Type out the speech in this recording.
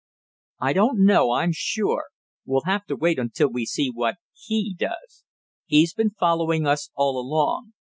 "I don't know, I'm sure. We'll have to wait until we see what HE does. He's been following us all along.